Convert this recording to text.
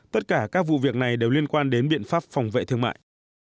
tất cả các vụ việc này đều liên quan đến biện pháp phòng vệ thương mại